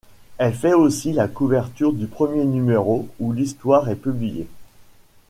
Elle fait aussi la couverture du premier numéro ou l'histoire est publiée.